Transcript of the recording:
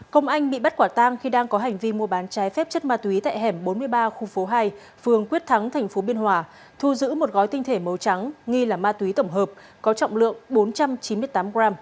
công anh bị bắt quả tang khi đang có hành vi mua bán trái phép chất ma túy tại hẻm bốn mươi ba khu phố hai phường quyết thắng tp biên hòa thu giữ một gói tinh thể màu trắng nghi là ma túy tổng hợp có trọng lượng bốn trăm chín mươi tám g